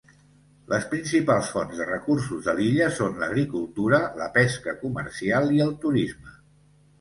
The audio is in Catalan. Les principals fonts de recursos de l'illa són l'agricultura, la pesca comercial i el turisme.